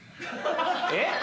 えっ？